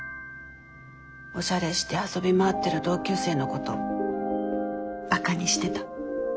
おしゃれして遊び回ってる同級生のことバカにしてた。